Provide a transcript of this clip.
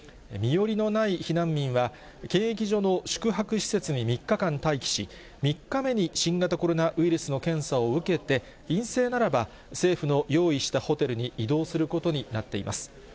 身寄りのない避難民は、検疫所の宿泊施設に３日間待機し、３日目に新型コロナウイルスの検査を受けて、陰性ならば政府の用意したホテルに移動することになっています。